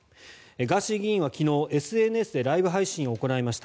ガーシー議員は昨日、ＳＮＳでライブ配信を行いました。